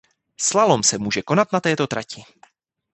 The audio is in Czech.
Slalom se může konat na této trati.